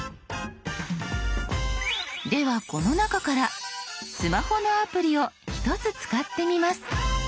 ではこの中からスマホのアプリを１つ使ってみます。